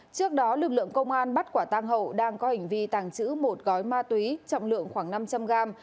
trước đó lực lượng công an bắt quả tang hậu đang có hành vi tàng trữ một gói ma túy trọng lượng khoảng năm trăm linh g